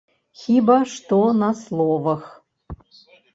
Хіба што на словах.